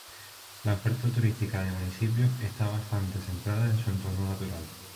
La oferta turística del municipio está bastante centrada en su entorno natural.